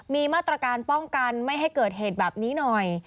มีมาตรการป้องกันไม่ให้เกิดเหตุแบบนี้หน่อย